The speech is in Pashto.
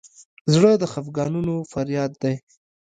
زړه د خفګانونو فریاد دی.